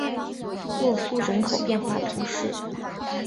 洛苏人口变化图示